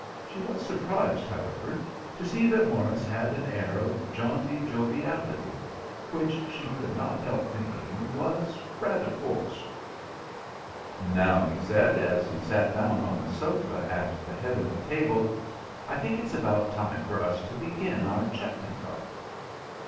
She was surprised, however, to see that Morris had an air of jaunty joviality, which she could not help thinking was rather forced. "Now," he said, as he sat down on the sofa at the head of the table, "I think it's about time for us to begin our chutney fight."